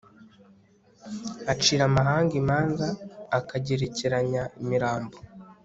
acira amahanga imanza, akagerekeranya imirambo